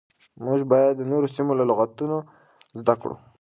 موږ بايد د نورو سيمو له لغتونو زده کړو.